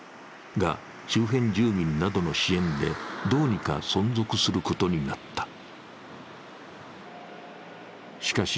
が、周辺住民などの支援でどうにか存続することになった。